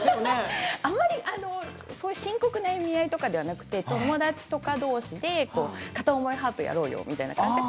あまり深刻な意味合いではなくて友達とか同士で片思いハートやろうよみたいな感じで。